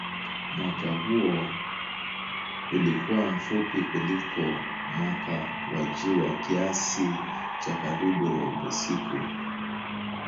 Mwaka huo ulikuwa mfupi kuliko mwaka wa jua kiasi cha karibu robo siku.